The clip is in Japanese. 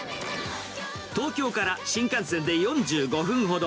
東京から新幹線で４５分ほど。